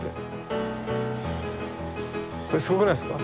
これすごくないですか？